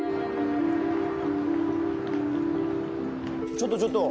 ちょっとちょっと。